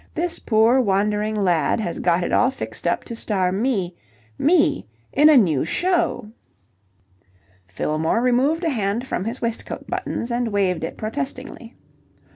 This poor wandering lad has got it all fixed up to star me me in a new show!" Fillmore removed a hand from his waistcoat buttons and waved it protestingly.